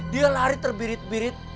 dia lari terbirit birit